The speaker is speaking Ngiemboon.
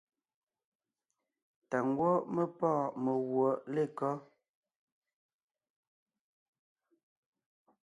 Tà ngwɔ́ mé pɔ́ɔn meguɔ lekɔ́?